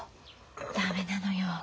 駄目なのよ。